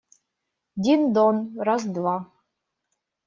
Дин-дон… раз, два!..»